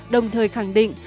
đồng thời khẳng định